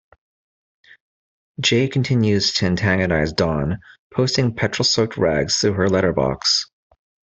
Jay continues to antagonise Dawn, posting petrol soaked rags through her letter box.